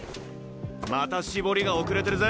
また「絞り」が遅れてるぜ。